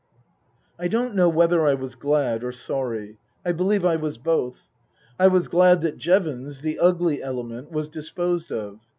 I don't know whether I was glad or sorry. I believe I was both. I was glad that Jevons the ugly element was disposed of.